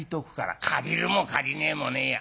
「借りるも借りねえもねえや。